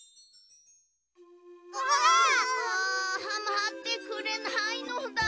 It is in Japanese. まってくれないのだ。